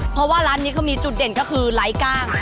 เพราะว่าร้านนี้เขามีจุดเด่นก็คือไร้กล้าง